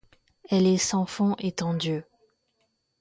Elle est sans fond, étant Dieu.